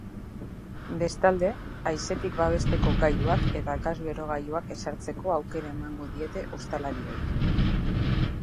Bestalde, haizetik babesteko gailuak eta gas berogailuak ezartzeko aukera emango diete ostalariei.